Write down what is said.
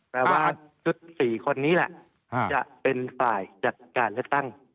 ว่าชุด๔คนนี้แหละจะเป็นฝ่ายจัดการเลือกตั้ง